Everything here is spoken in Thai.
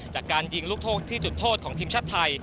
จากการยิงลูกโทษที่จุดโทษของทีมชาติไทย